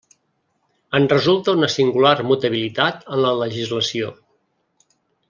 En resulta una singular mutabilitat en la legislació.